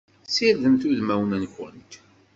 Sirdemt udmawen-nkent!